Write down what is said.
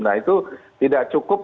nah itu tidak cukup